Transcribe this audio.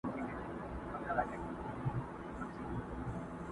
غېږ کي د پانوس یې سره لمبه پر سر نیولې وه،